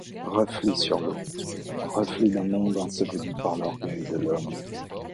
Reflets sur l'eau... Reflets d'un monde enseveli par l'orgueil de l'homme.